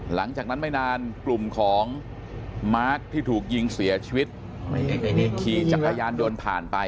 หลังจากนั้นไม่นานกลุ่มของมาร์คที่ถูกยิงเสียชีวิตขี่จักรยานยนต์ผ่านไป